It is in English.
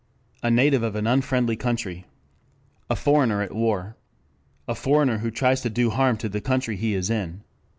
"A native of an unfriendly country." "A foreigner at war." "A foreigner who tries to do harm to the country he is in."